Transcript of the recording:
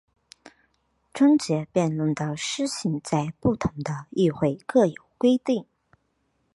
终结辩论的施行在不同的议会各有规定。